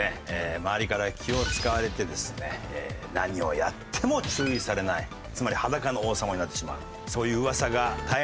周りから気を使われてですね何をやっても注意されないつまり裸の王様になってしまう。